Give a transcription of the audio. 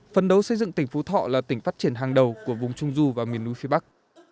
phấn đấu xây dựng tỉnh phú thọ là tỉnh phát triển hàng đầu của vùng trung du và miền núi phía bắc